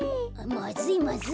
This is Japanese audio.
まずいまずい。